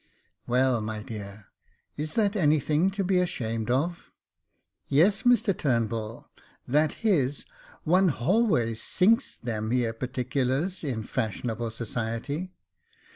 " Well, my dear, is that anything to be ashamed of?" Yes, Mr Turnbull, that /^is — one /^always sinks them ere particulars in fashionable society.